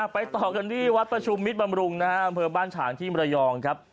ไปต่อกันที่วัดประชุมมิตรบำรุงนะฮะอำเภอบ้านฉางที่มรยองครับ